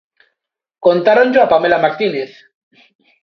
Contáronllo a Pamela Martínez...